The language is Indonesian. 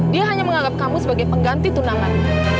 dia hanya menganggap kamu sebagai pengganti tunangan